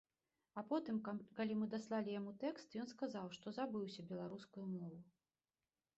А потым, калі мы даслалі яму тэкст, ён сказаў, што забыўся беларускую мову.